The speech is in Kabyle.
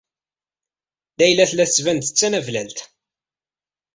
Layla tella tettban-d d tanablalt.